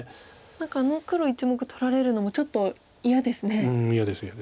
何かあの黒１目取られるのもちょっと嫌ですね。